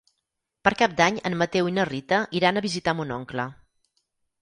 Per Cap d'Any en Mateu i na Rita iran a visitar mon oncle.